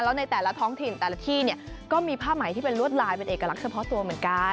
แล้วในแต่ละท้องถิ่นแต่ละที่เนี่ยก็มีผ้าไหมที่เป็นลวดลายเป็นเอกลักษณ์เฉพาะตัวเหมือนกัน